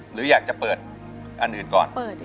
หรืออยากจะเปิดอันอื่นก่อน